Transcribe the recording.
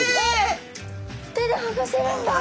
手ではがせるんだ。